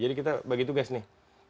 jadi kita bagi tugas nih